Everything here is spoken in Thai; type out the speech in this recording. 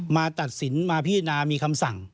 มาตัดสินมาพินามีคำสั่ง